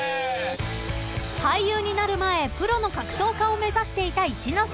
［俳優になる前プロの格闘家を目指していた一ノ瀬さん］